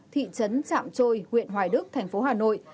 thị trấn trạm trôi huyện hoài đức thành phố hà nội